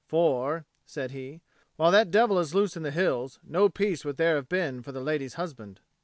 "For," said he, "while that devil is loose in the hills, no peace would there have been for the lady's husband."